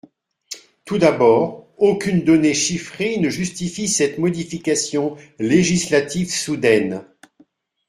Tout d’abord, aucune donnée chiffrée ne justifie cette modification législative soudaine.